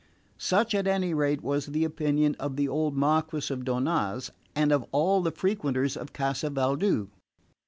Such at any rate was the opinion of the old Marquess of Donnaz, and of all the frequenters of Casa Valdu.